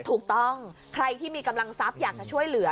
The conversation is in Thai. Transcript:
ถูกต้องใครที่มีกำลังทรัพย์อยากจะช่วยเหลือ